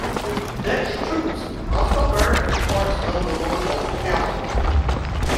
Dutch troops also burned parts of the local castle.